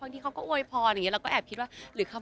บางทีเค้าแค่อยากดึงเค้าต้องการอะไรจับเราไหล่ลูกหรือยังไง